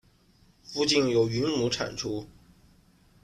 附近有云母产出。